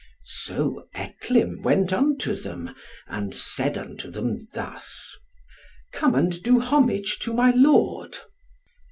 So Etlym went unto them, and said unto them thus "Come and do homage to my lord."